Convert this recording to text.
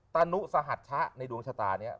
ตะนุสะหัดชะในดวงชะตาเนี่ย